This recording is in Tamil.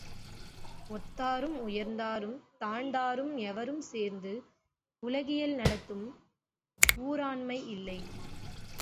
ஒத்தாரும் உயர்ந்தாரும் தாழ்ந்தாரும் எவரும் சேர்ந்து உலகியல் நடத்தும் ஊராண்மை இல்லை!